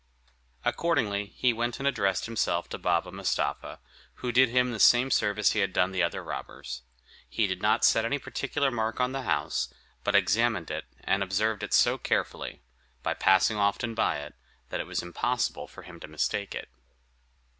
Accordingly, he went and addressed himself to Baba Mustapha, who did him the same service he had done to the other robbers. He did not set any particular mark on the house, but examined and observed it so carefully, by passing often by it, that it was impossible for him to mistake it.